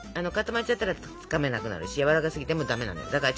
固まっちゃったらつかめなくなるしやわらかすぎてもダメなのよ。